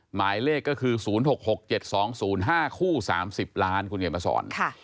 หมายเลขก็คือ๐๖๖๗๒๐๕คู่๓๐ล้านคุณเขียนมาสอน